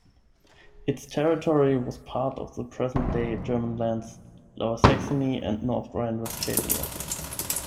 Its territory was part of the present-day German lands Lower Saxony and North Rhine-Westphalia.